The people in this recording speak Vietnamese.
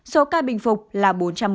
số ca bình phục là bốn trăm một mươi